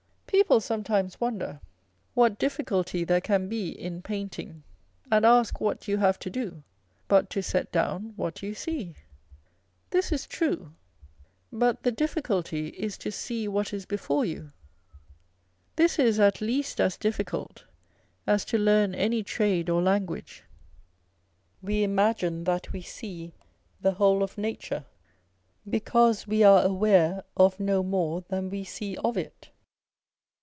People some On a Portrait by Vandyke. 409 times wonder what difficulty there can be in painting, and ask what you have to do but to set down what you see ? This is true, but the difficulty is to see what is before you. This is at least as difficult as to learn any trade or language. We imagine that we see the whole of nature, because we are aware of no more than we see of it.